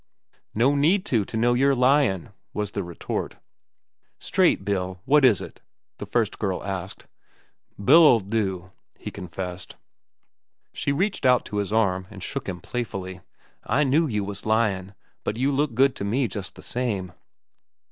"No need to, to know you're lyin'," was the retort. "Straight, Bill, what is it?" the first girl asked. "Bill'll do," he confessed. She reached out to his arm and shook him playfully. "I knew you was lyin', but you look good to me just the same."